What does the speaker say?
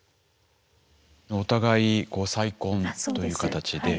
お互い再婚という形で。